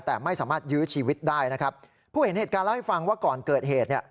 แต่ไม่สามารถยื้อชีวิตได้นะครับผู้เห็นเหตุการณ์เล่าให้ฟังว่าก่อนเกิดเหตุเนี่ย